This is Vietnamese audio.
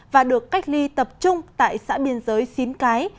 và được cách ly tập trung tại xã biên giới xín cái